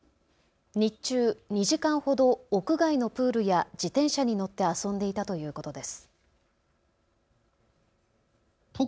日中、２時間ほど屋外のプールや自転車に乗って遊んでいたということです。